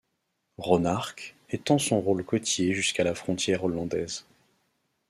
Ronarc'h étend son rôle côtier jusqu'à la frontière hollandaise.